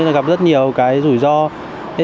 thì gặp rất nhiều cái rủi ro